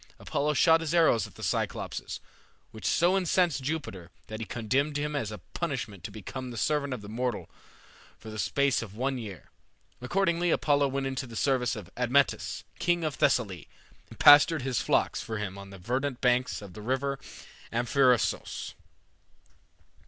Apollo shot his arrows at the Cyclopes, which so incensed Jupiter that he condemned him as a punishment to become the servant of a mortal for the space of one year. Accordingly Apollo went into the service of Admetus, king of Thessaly, and pastured his flocks for him on the verdant banks of the river Amphrysos.